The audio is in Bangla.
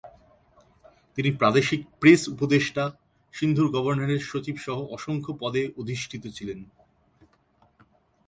তিনি প্রাদেশিক প্রেস উপদেষ্টা, সিন্ধুর গভর্নরের সচিব সহ অসংখ্য পদে অধিষ্ঠিত ছিলেন।